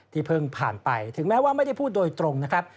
เพิ่งผ่านไปถึงแม้ว่าไม่ได้พูดโดยตรงนะครับ